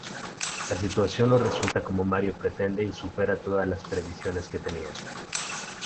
La situación no resulta como Mario pretende y supera todas las previsiones que tenía.